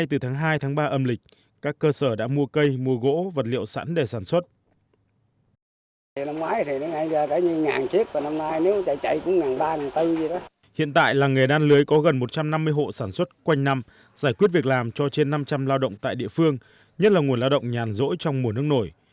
hiện tại làng nghề đan lưới có gần một trăm năm mươi hộ sản xuất quanh năm giải quyết việc làm cho trên năm trăm linh lao động tại địa phương nhất là nguồn lao động nhàn rỗi trong mùa nước nổi